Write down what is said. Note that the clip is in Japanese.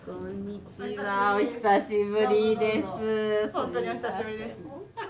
本当にお久しぶりです。